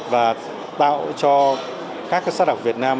và tạo cho các start up việt nam